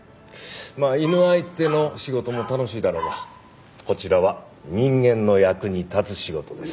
まあ犬相手の仕事も楽しいだろうがこちらは人間の役に立つ仕事です。